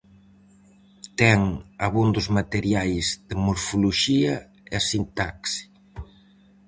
Ten abondos materiais de morfoloxía e sintaxe.